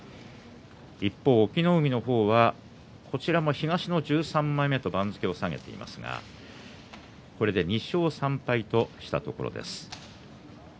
一方、隠岐の海の方はこちらも東の１３枚目と番付を下げていますが２勝３敗としたところです。